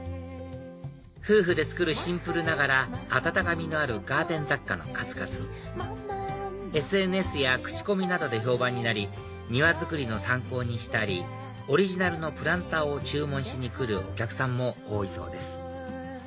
夫婦で作るシンプルながら温かみのあるガーデン雑貨の数々ＳＮＳや口コミなどで評判になり庭作りの参考にしたりオリジナルのプランターを注文しにくるお客さんも多いそうです